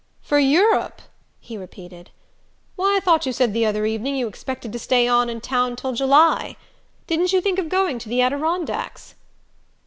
"For Europe?" he repeated. "Why, I thought you said the other evening you expected to stay on in town till July. Didn't you think of going to the Adirondacks?"